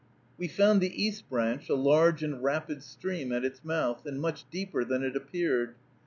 We found the East Branch a large and rapid stream at its mouth and much deeper than it appeared.